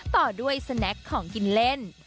ต่อด้วยสแนคของกินเล่น